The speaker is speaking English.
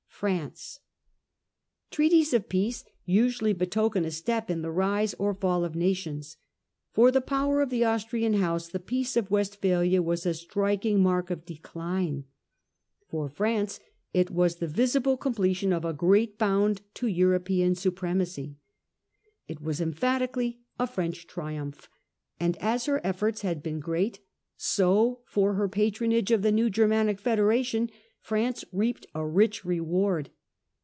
France. Treaties of peace usually betoken a step in the rise or fall of nations. For the power of the Austrian house Advantages ^ Peace of Westphalia was a striking mark gained by of decline; for France it was the visible France. completion of a great bound to European supremacy. It was emphatically a French triumph ; and as her efforts had been great, so, for her patronage of the new Germanic federation, France reaped a rich reward.